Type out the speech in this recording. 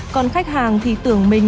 còn khách hàng thì tưởng mình